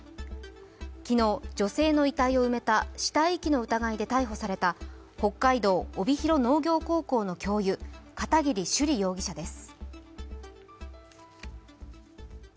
昨日、女性の遺体を埋めた死体遺棄の疑いで逮捕された北海道・帯広農業高校の教諭片桐珠璃容疑者です。